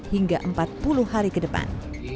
hingga empat puluh hari ke depan